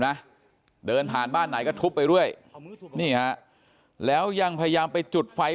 นะเดินผ่านบ้านไหนก็ทุบไปเรื่อยนี่ฮะแล้วยังพยายามไปจุดไฟ